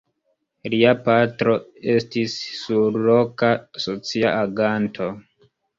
Lia patro estis surloka socia aganto.